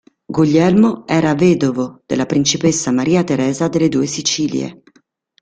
Guglielmo era vedovo della Principessa Maria Teresa delle Due Sicilie.